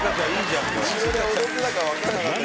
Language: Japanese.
後ろで踊ってたからわかんなかった。